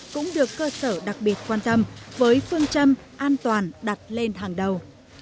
cũng được cơ sở đặc biệt quan tâm với phương châm an toàn đặt lên hàng đầu